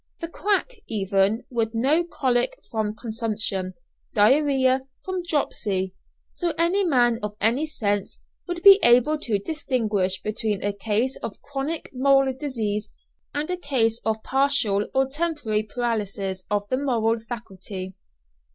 The quack, even, would know cholic from consumption, diarrhæa from dropsy; so any man of sense would be able to distinguish between a case of chronic moral disease and a case of partial or temporary paralysis of the moral faculty!